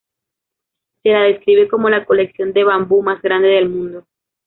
Se la describe como la colección de bambú más grande del mundo.